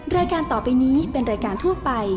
รายการต่อไปนี้เป็นรายการทั่วไป